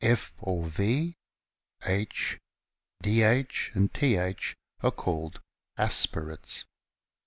F or F, H t Dh, and Th are called aspirates.